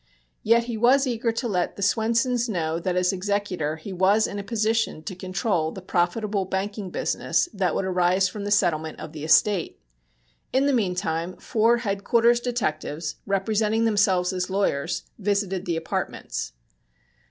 Yet he was eager to let the Swensons know that as executor he was in a position to control the profitable banking business that would arise from the settlement of the estate. In the meantime four Headquarters' detectives, representing themselves as lawyers, visited the apartments.